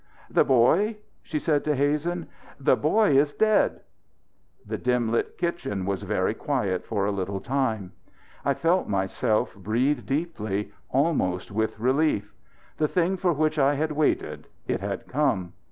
"The boy?" she said to Hazen. "The boy is dead!" The dim lit kitchen was very quiet for a little time. I felt myself breathe deeply, almost with relief. The thing for which I had waited it had come.